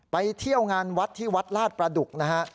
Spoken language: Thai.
ไปเที่ยวงานวัดที่วัดลาดประดุกนะฮะ